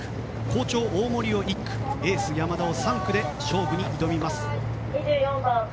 好調、大森を１区エース山田を３区で勝負に挑みます。